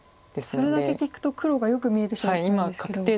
それだけ聞くと黒がよく見えてしまうんですけど。